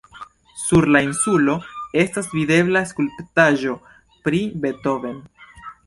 Sur la insulo estas videbla skulptaĵo pri Beethoven.